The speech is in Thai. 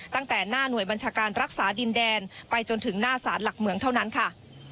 ตั้งแต่หน้าหน่วยบัญชาการรักษาดินแดนไปจนถึงหน้าศาลหลักเมืองเท่านั้นค่ะ